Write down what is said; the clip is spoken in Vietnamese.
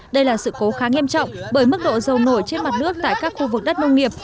đây là sự cố khá nghiêm trọng bởi mức độ dầu nổi trên mặt nước tại các khu vực đất nông nghiệp